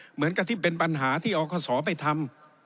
เหมือนกับที่เป็นปัญหาที่อคศไปทำ